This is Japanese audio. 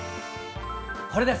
これです。